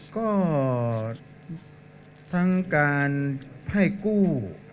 ก็ทั้งการให้กู้